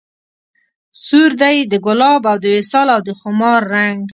سور دی د ګلاب او د وصال او د خمار رنګ